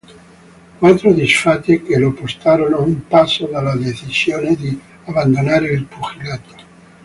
Quattro disfatte che lo portarono a un passo dalla decisione di abbandonare il pugilato.